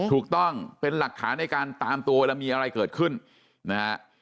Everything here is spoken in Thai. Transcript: ถูกต้องเป็นหลักฐานในการตามตัวเวลามีอะไรเกิดขึ้นนะฮะ